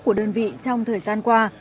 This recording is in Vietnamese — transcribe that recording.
của đơn vị trong thời gian qua